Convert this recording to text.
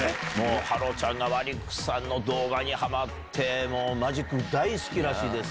芭路ちゃんがマリックさんの動画にハマってマジック大好きらしいです。